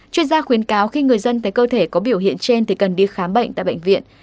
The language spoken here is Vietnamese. chuyên gia khuyến cáo khi người dân thấy cơ thể có biểu hiện trên thì cần đi khám bệnh tại bệnh viện